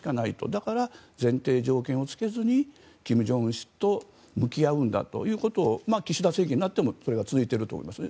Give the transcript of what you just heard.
だから、前提条件をつけずに金正恩氏と向き合うんだということを岸田政権になってもそれが続いていると思います。